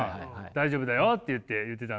大丈夫だよって言ってたんですけど。